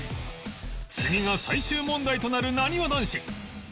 次が最終問題となるなにわ男子